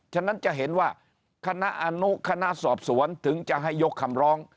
ฉะนั้นจะเห็นว่าคณะอนุคณะสอบสวนถึงจะให้ยกคำร้อง